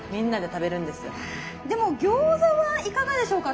でも餃子はいかがでしょうか？